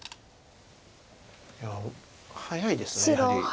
いや早いですやはり。